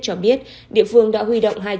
cho biết địa phương đã huy động